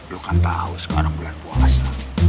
lu kan tau sekarang bulan puasa